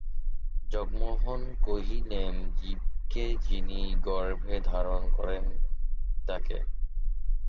জগমোহন কহিলেন, জীবকে যিনি গর্ভে ধারণ করেন তাঁকে।